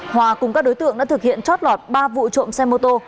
hòa cùng các đối tượng đã thực hiện trót lọt ba vụ trộm xe mô tô